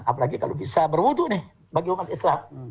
apalagi kalau bisa berwudu bagi umat islam